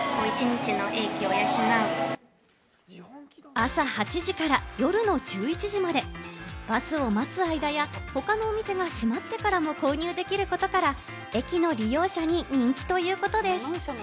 朝８時から夜の１１時まで、バスを待つ間や、他のお店が閉まってからも購入できることから、駅の利用者に人気ということです。